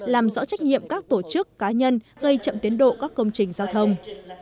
làm rõ trách nhiệm các tổ chức cá nhân gây chậm tiến độ các công trình giao thông